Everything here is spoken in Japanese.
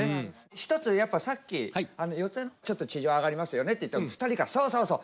一つやっぱさっき四ツ谷ちょっと地上上がりますよねって言ったの２人が「そうそうそう」。